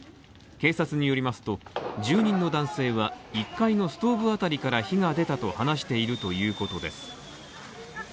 警察によりますと、住人の男性は１階のストーブ辺りから火が出たと話しているということです。